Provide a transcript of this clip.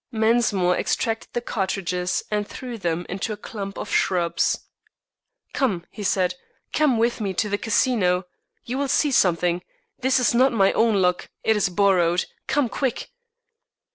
Mensmore extracted the cartridges and threw them into a clump of shrubs. "Come," he cried; "come with me to the Casino. You will see something. This is not my own luck; it is borrowed. Come, quick!"